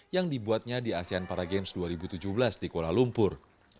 yang dibuatnya di asean para games dua ribu tujuh belas di kuala lumpur